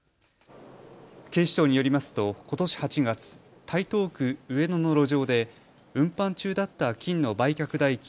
警視庁によりますとことし８月、台東区上野の路上で運搬中だった金の売却代金